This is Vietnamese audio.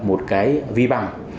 một cái ví bằng